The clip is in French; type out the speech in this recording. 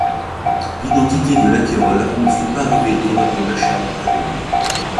L'identité de l'acquéreur ne fut pas révélée lors de l'achat du tableau.